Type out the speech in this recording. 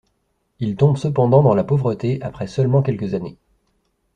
Il tombe cependant dans la pauvreté après seulement quelques années.